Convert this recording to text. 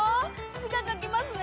「しが」書きますね。